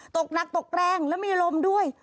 ตกหนักตกแรงแล้วมีลมด้วย